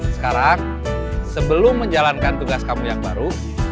sekarang sebelum menjalankan tugas kamu yang baru